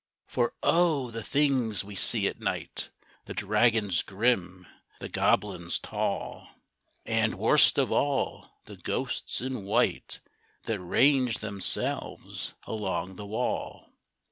For O! the things we see at night The dragons grim, the goblins tall, And, worst of all, the ghosts in white That range themselves along the wall!